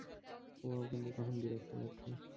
Wow, কিন্তু তখন বিরক্ত লাগবে।